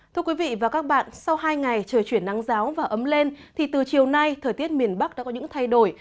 thưa quý vị và các bạn sau hai ngày trời chuyển nắng giáo và ấm lên thì từ chiều nay thời tiết miền bắc đã có những thay đổi